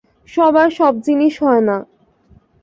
সবার সব জিনিস হয় না।